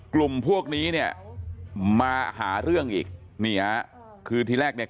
กลุ่มพวกนี้เนี่ยมาหาเรื่องอีกนี่ฮะคือทีแรกเนี่ย